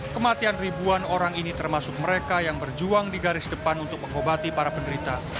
kematian ribuan orang ini termasuk mereka yang berjuang di garis depan untuk mengobati para penderita